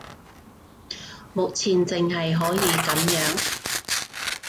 目前淨係可以噉樣